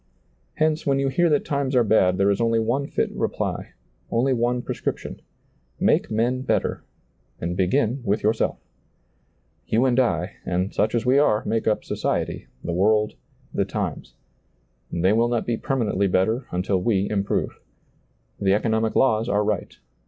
Hence, when you hear that times are bad there is only one fit reply, only one prescrip tion — make men better, and begin with yourself. You and I, and such as we are, make up society, the world, the times. They will not be per manently better until we improve. The economic laws are right.